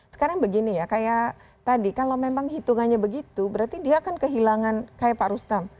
sekarang begini ya kayak tadi kalau memang hitungannya begitu berarti dia akan kehilangan kayak pak rustam